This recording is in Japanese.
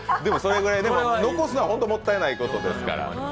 残すのは本当もったいないことですから。